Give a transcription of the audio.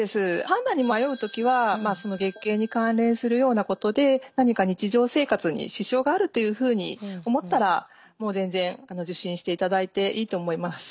判断に迷う時はその月経に関連するようなことで何か日常生活に支障があるというふうに思ったらもう全然受診していただいていいと思います。